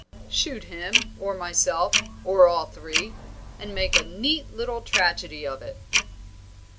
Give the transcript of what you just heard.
"Shoot him or myself, or all three, and make a neat little tragedy of it."